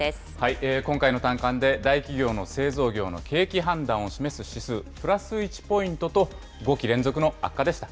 今回の短観で大企業の製造業の景気判断を示す指数、プラス１ポイントと、５期連続の悪化でした。